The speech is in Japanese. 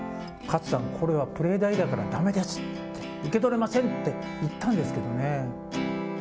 勝さん、これはプレー代だからだめです、受け取れませんって言ったんですけどね。